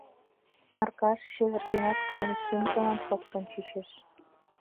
Аркаш чевергенат кайыш, шӱмжылан шокшын чучеш.